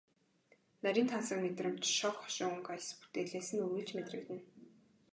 Нарийн тансаг мэдрэмж, шог хошин өнгө аяс бүтээлээс нь үргэлж мэдрэгдэнэ.